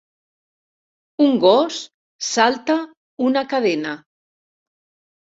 Un gos salta una cadena.